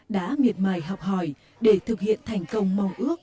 đã miệt mài học hỏi để thực hiện thành công mong ước